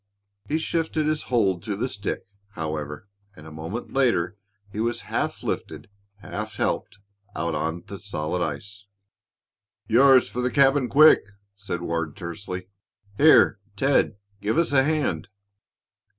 He shifted his hold to the stick, however, and a moment later he was half lifted, half helped out on the solid ice. "Yours for the cabin, quick!" said Ward, tersely. "Here, Ted, give us a hand."